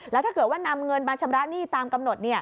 แล้วถ้าเกิดว่านำเงินมาชำระหนี้ตามกำหนด